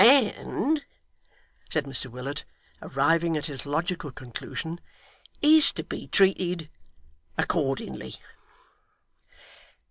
And,' said Mr Willet, arriving at his logical conclusion, 'is to be treated accordingly.